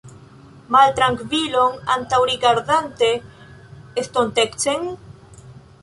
Maltrankvilon, antaŭrigardante estontecen?